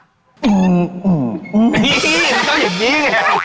เจ้าอย่างนี้ไง